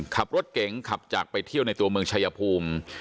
ขับรถเก๋งขับจากไปเที่ยวในตัวเมืองชายภูมิ